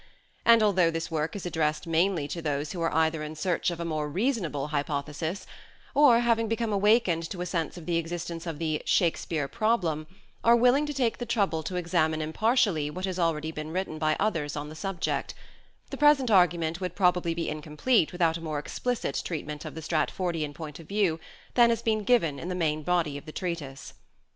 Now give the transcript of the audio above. And although this work is addressed mainly to those who are either in search of a more reasonable hypothesis, or, having become awakened to a sense of the existence of the " Shakespeare Problem " are willing to take the trouble to examine impartially what has already been written by others on the subject, the present argument would probably be incomplete without a more explicit treatment of the Stratfordian point of view than has been given in the main body of the treatise.